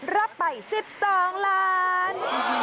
รับไป๑๒ล้าน